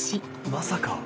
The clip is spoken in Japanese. まさか！